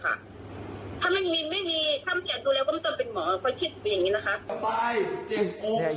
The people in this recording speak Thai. คุณคิดอย่างนี้นะคะ